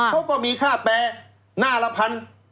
เขาก็มีค่าแปรหน้าละพัน